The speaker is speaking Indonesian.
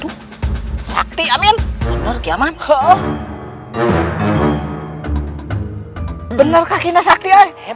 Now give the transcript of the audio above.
kratanya enggak bott gehenya kan shed